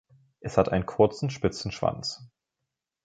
Es hat einen kurzen, spitzen Schwanz.